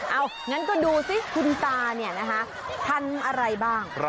เอางั้นก็ดูสิคุณตาเนี่ยนะคะทำอะไรบ้าง